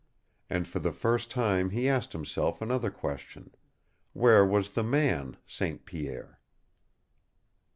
And for the first time he asked himself another question, Where was the man, St. Pierre?